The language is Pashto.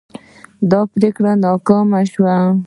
دا پریکړه ناکامه شوه.